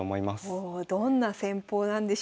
おおどんな戦法なんでしょうか。